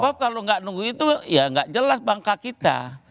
bapak kalau gak nunggu itu ya gak jelas bangka kita